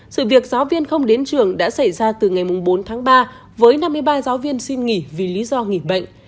sự việc giáo viên không đến trường đã xảy ra từ ngày bốn tháng ba với năm mươi ba giáo viên xin nghỉ vì lý do nghỉ bệnh